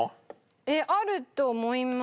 えっあると思いますけど。